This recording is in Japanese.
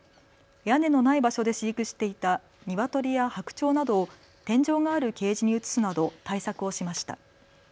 屋根のない場所で飼育していたニワトリやハクチョウなどを天井があるケージに移すなど対策をしました。